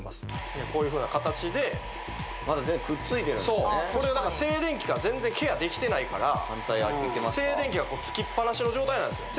こういうふうな形でまだくっついてるこれはだから静電気が全然ケアできてないから静電気がつきっぱなしの状態なんですよ